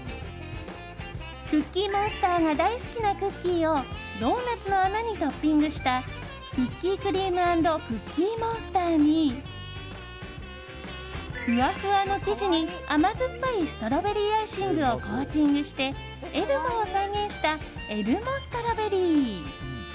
クッキーモンスターが大好きなクッキーをドーナツの穴にトッピングしたクッキークリーム＆クッキーモンスターにふわふわの生地に、甘酸っぱいストロベリーアイシングをコーティングしてエルモを再現したエルモストロベリー。